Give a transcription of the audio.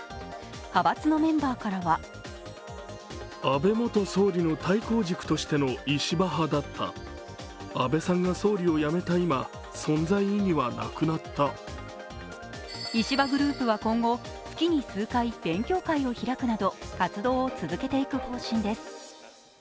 派閥のメンバーからは石破グループは今後、月に数回勉強会を開くなど活動を続けていく方針です。